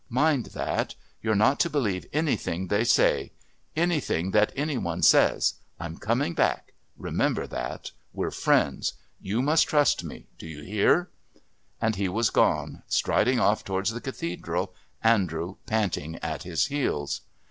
Mind that. You're not to believe anything they say anything that any one says. I'm coming back. Remember that. We're friends. You must trust me. Do you hear?" And he was gone, striding off towards the Cathedral, Andrew panting at his heels.